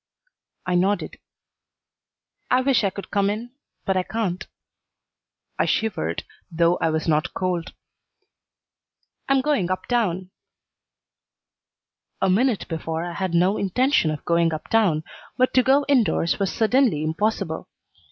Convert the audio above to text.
I nodded. "I wish I could come in, but I can't." I shivered, though I was not cold. "I am going up town." A minute before I had no intention of going up town, but to go indoors was suddenly impossible.